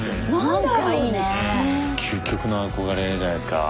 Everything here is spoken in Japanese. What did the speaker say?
青木）究極の憧れじゃないですか。